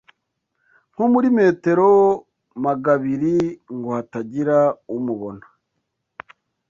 nko muri metero magabiri ngo hatagira umubona